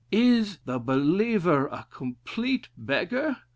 Is the believer a complete beggar?